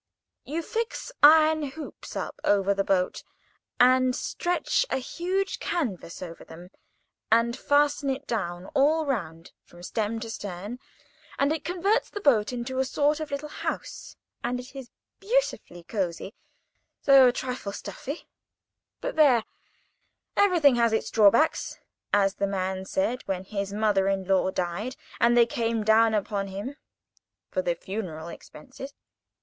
You fix iron hoops up over the boat, and stretch a huge canvas over them, and fasten it down all round, from stem to stern, and it converts the boat into a sort of little house, and it is beautifully cosy, though a trifle stuffy; but there, everything has its drawbacks, as the man said when his mother in law died, and they came down upon him for the funeral expenses.